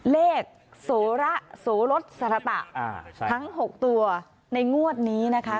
เลขโสระโสรสสรตะทั้ง๖ตัวในงวดนี้นะคะ